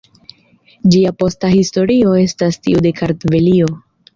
Ĝia posta historio estas tiu de Kartvelio.